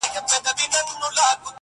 په دربار چي د سلطان سو ور دننه!!